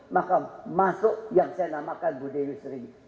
maka masuk yang saya namakan buddha ini sering